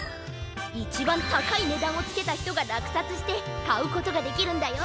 いちばんたかいねだんをつけたひとがらくさつしてかうことができるんだよ。